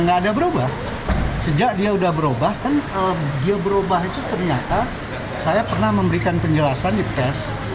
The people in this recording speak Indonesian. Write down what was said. nggak ada berubah sejak dia sudah berubah kan dia berubah itu ternyata saya pernah memberikan penjelasan di pes